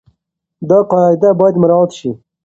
دا قاعده بايد مراعت شي.